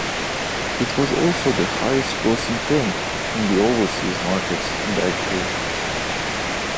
It was also the highest-grossing film in the overseas markets that year.